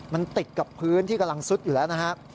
มันติดกับพื้นที่กำลังซุดอยู่แล้วนะครับ